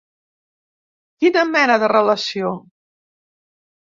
Quina mena de relació?